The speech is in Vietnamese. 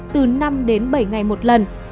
từ năm đến bảy ngày một lần